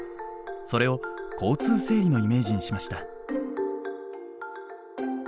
それを交通整理のイメージにしました。